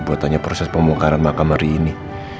buat tanya proses pemukaran makam hari ini